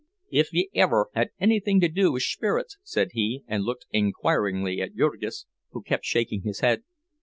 "If ye have iver had onything to do wid shperrits," said he, and looked inquiringly at Jurgis, who kept shaking his head.